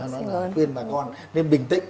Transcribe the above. đó là khuyên bà con nên bình tĩnh